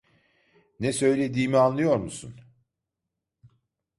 Ne söylediğimi anlıyor musun?